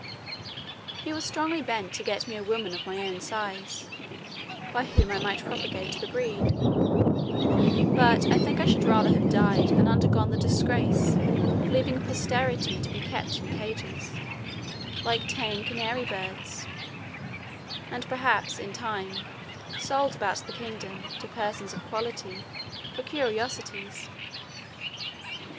He was strongly bent to get me a woman of my own size, by whom I might propagate the breed: but I think I should rather have died than undergone the disgrace of leaving a posterity to be kept in cages, like tame canary birds, and perhaps, in time, sold about the kingdom, to persons of quality, for curiosities.